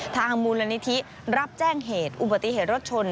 ทางมูลนิธิรับแจ้งเหตุอุบัติเหตุรถชน